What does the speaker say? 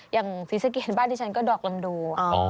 อย่างศิษย์เกียรติบ้านที่ฉันก็ดอกลำดู